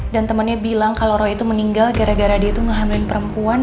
dan temannya bilang kalo roy itu meninggal gara gara dia tuh ngehamlin perempuan itu